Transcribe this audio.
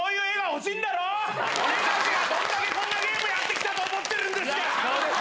俺たちがどんだけこんなゲームやって来たと思ってるんですか！